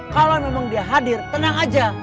kalau memang dia hadir tenang aja